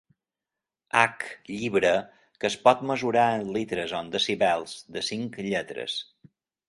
H Llibre que es pot mesurar en litres o en decibels, de cinc lletres.